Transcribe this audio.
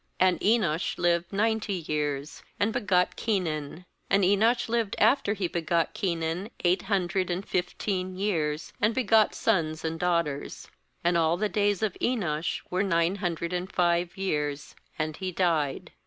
9And Enosh lived ninety years, and begot Kenan. 10And Enosh lived after he begot Kenan eight hundred and fifteen years, and begot sons and daughters. "And all the days of Enosh were nine hundred and five years; and he died.